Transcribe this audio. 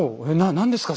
「何ですか？